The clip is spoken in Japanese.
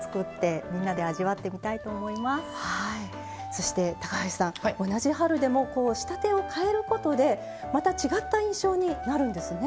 そして橋さん同じ春でも仕立てを変えることでまた違った印象になるんですね。